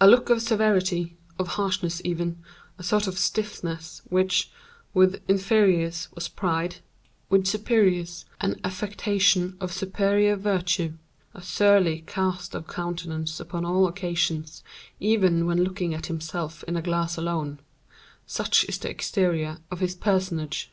A look of severity, of harshness even, a sort of stiffness, which, with inferiors, was pride, with superiors an affectation of superior virtue; a surly cast of countenance upon all occasions, even when looking at himself in a glass alone—such is the exterior of his personage.